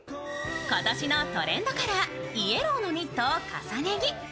今年のトレンドカラー、イエローのニットを重ね着。